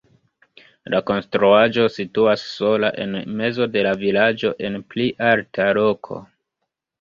La konstruaĵo situas sola en mezo de la vilaĝo en pli alta loko.